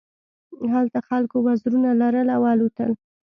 هلته خلکو وزرونه لرل او الوتل.